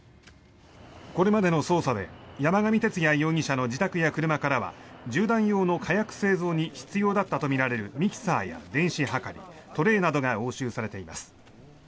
これまでの捜査で山上徹也容疑者の自宅や車からは銃弾用の火薬製造に必要だったとみられるミキサーや電子はかりトレーなどが押収されています。